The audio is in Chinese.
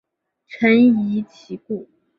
臣疑其故。